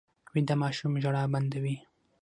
ویده ماشوم ژړا بنده وي